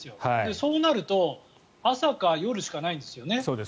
そうなると朝か夜しかないんですね。